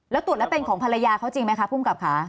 แล้วตรวจแล้วเป็นของภรรยาเขาจริงไหมคะภูมิกับค่ะ